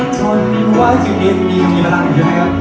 ต้องทนไว้ถ้าเห็นอีกอย่างอย่าง